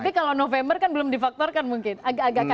tapi kalau november kan belum difaktorkan mungkin